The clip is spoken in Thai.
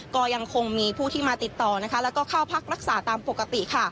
ก็ยังคงมีผู้ที่มาติดต่อแล้วก็เข้าพักรักษาตามปกติ